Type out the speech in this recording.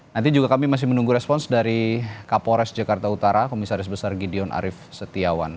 nanti juga kami masih menunggu respons dari kapolres jakarta utara komisaris besar gideon arief setiawan